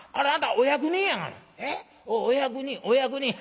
お役人お役人。